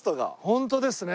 本当ですね。